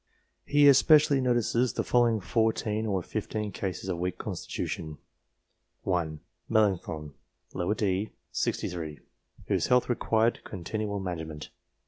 He especially notices the following fourteen or fifteen cases of weak constitution : 1. Melancthon, d. set. 63, whose health required con tinual management.